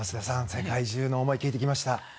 世界中の思いを聞いてきました。